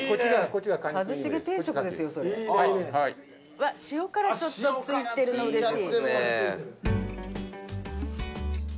うわっ塩辛ちょっと付いてるの嬉しい。